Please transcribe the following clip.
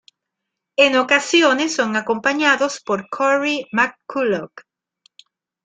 En ocasiones son acompañados por Cory McCulloch.